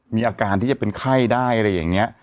มีอาการที่จะเป็นไข้ได้อะไรอย่างนี้